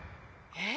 えっ？